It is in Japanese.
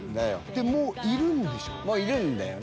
でもういるんでしょうもういるんだよね